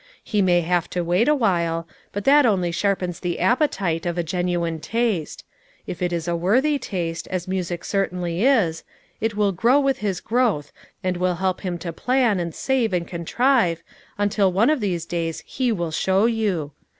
He may have to wait awhile, but that only sharpens the appetite of a genuine taste ; if it is a worthy taste, as music certainly is, it will grow with his growth, and will help him to plan, and save, and contrive, A SATISFACTORY EVENING. 327 until one of these days he will show you